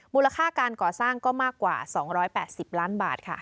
มูลค่าการก่อสร้างก็มากกว่า๒๘๐ล้านบาทค่ะ